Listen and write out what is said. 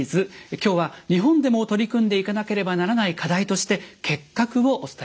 今日は日本でも取り組んでいかなければならない課題として結核をお伝えしました。